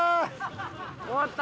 終わった？